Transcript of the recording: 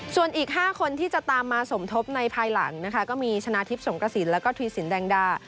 ส่วนอีก๕คนที่จะตามมาสมทบในภายหลังนะคะก็มีชนะทิพย์สงกระสินแล้วก็ทวีสินแดงดา